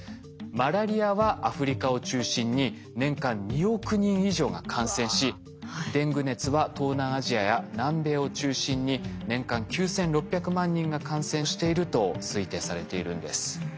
マラリアはアフリカを中心に年間２億人以上が感染しデング熱は東南アジアや南米を中心に年間９，６００万人が感染していると推定されているんです。